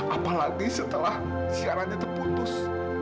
apalagi setelah siaran itu putus